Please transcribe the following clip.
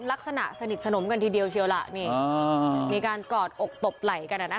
ลักษณะสนิทสนมกันทีเดียวเชียวล่ะนี่มีการกอดอกตบไหล่กันอ่ะนะคะ